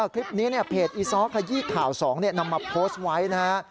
คลิปนี้เพจอีซ้อขยี้ข่าว๒นำมาโพสต์ไว้นะฮะ